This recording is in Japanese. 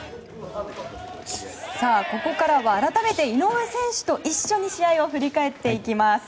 ここからは改めて井上選手と一緒に試合を振り返っていきます。